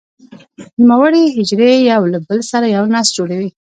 نوموړې حجرې یو له بل سره یو نسج جوړوي.